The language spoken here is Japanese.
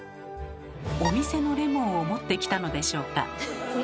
お店のレモンを持ってきたのでしょうか。